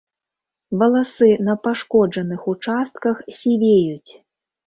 Валасы на пашкоджаных участках сівеюць.